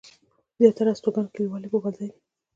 زياتره هستوګن کلیوال يې پوپلزي دي.